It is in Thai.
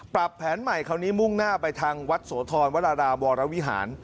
ปรับแผนใหม่คราวนี้มุ่งหน้าไปทางวัดโสธรวรราวรวิหาร